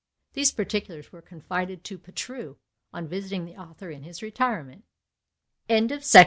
These particulars were confided to Patru, on visiting the author in his retirement. POETS LAUREAT.